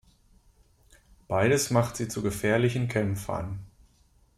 Beides macht sie zu gefährlichen Kämpfern.